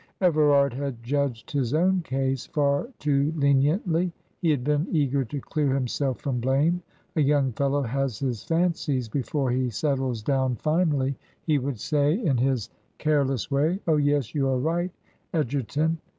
Everard had judged his own case far too leniently; he had been eager to clear himself from blame. "A young fellow has his fancies before he settles down finally," he would say, in his careless way. "Oh, yes, you are right, Egerton.